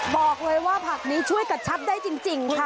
บอกเลยว่าผักนี้ช่วยกระชับได้จริงค่ะ